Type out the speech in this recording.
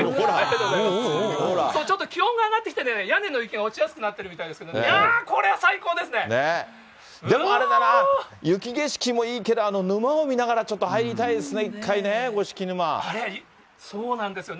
ちょっと気温が上がってきて、屋根の雪が落ちやすくなってるみたいですけど、あー、これは最高でもあれだな、雪景色もいいけど、あの沼を見ながら、ちょっと入りたいですね、一回ね、五色そうなんですよね。